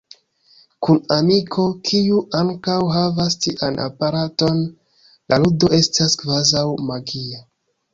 Kun amiko, kiu ankaŭ havas tian aparaton, la ludo estas kvazaŭ magia.